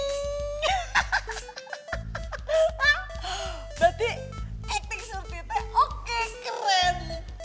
berarti acting surti teh oke keren